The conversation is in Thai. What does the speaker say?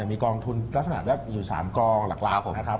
มีกองทุนลักษณะอยู่๓กองหลักลาผมนะครับ